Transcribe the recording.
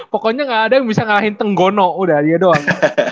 pokoknya gak ada yang bisa ngalahin tenggono udah aja doang